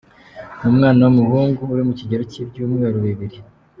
Ni umwana w’umuhungu uri mu kigero cy’ibyumweru bibiri.